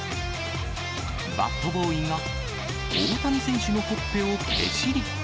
バットボーイが大谷選手のほっぺをぺしり。